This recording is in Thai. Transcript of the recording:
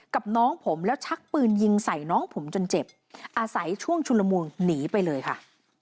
กับน้องผมแล้วชักปืนยิงใส่น้องผมจนเจ็บอาศัยช่วงชุลมูลหนีไปเลยค่ะ